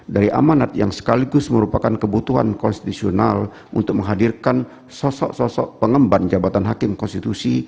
dari amanat yang sekaligus merupakan kebutuhan konstitusional untuk menghadirkan sosok sosok pengemban jabatan hakim konstitusi